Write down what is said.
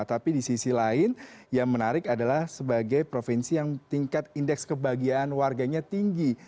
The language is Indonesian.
tapi di sisi lain yang menarik adalah sebagai provinsi yang tingkat indeks kebahagiaan warganya tinggi